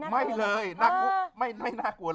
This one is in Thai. ไม่เลยน่ากลัวเลยน่ากลัวมาก